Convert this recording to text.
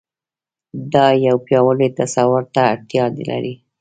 دا يو پياوړي تصور ته اړتيا لري.